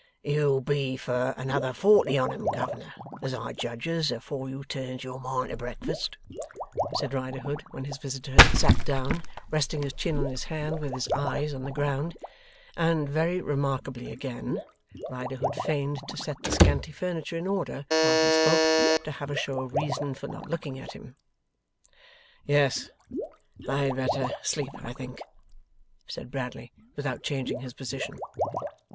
'You'll be for another forty on 'em, governor, as I judges, afore you turns your mind to breakfast,' said Riderhood, when his visitor sat down, resting his chin on his hand, with his eyes on the ground. And very remarkably again: Riderhood feigned to set the scanty furniture in order, while he spoke, to have a show of reason for not looking at him. 'Yes. I had better sleep, I think,' said Bradley, without changing his position.